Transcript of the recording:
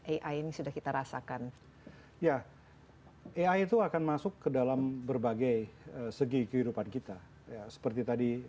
ai ini sudah kita rasakan ya ai itu akan masuk ke dalam berbagai segi kehidupan kita ya seperti tadi